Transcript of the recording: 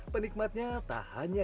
penikmatnya tak hanya